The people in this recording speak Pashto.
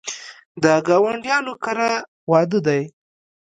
د ګاونډیانو کره واده دی